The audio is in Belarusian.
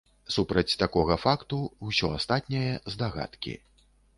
Супраць такога факту, усё астатняе здагадкі.